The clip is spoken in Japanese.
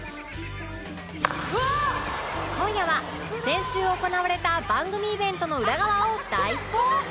今夜は先週行われた番組イベントの裏側を大公開！